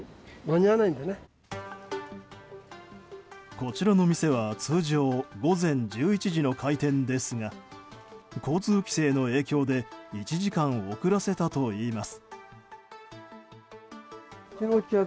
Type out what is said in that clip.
こちらの店は通常、午前１１時の開店ですが交通規制の影響で１時間遅らせたといいます。